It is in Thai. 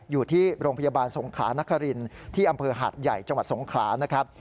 อยู่ที่โรงพยาบาลสงขลานครินที่อำเภอหาดใหญ่จังหวัดสงขลานะครับ